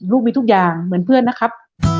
มีทุกอย่างเหมือนเพื่อนนะครับ